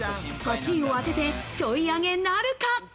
８位を当てて、ちょい上げなるか。